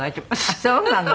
あっそうなの。